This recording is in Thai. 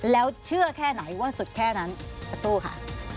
แล้วเชื่อแค่ไหนว่าสุดแค่นั้นสักครู่ค่ะ